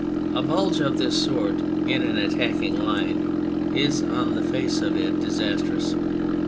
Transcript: A bulge of this sort in an attacking line is on the face of it disastrous.